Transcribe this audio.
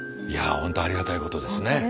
いや本当ありがたいことですね。